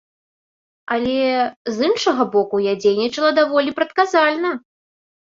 Але, з іншага боку, я дзейнічала даволі прадказальна.